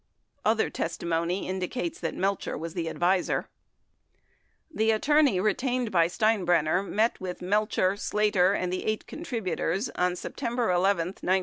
31 Other testimony indicates that Melcher was the adviser. The attorney retained by Steinbrenner met with Melcher, Slater, and the eight contributors on September 11, 1973.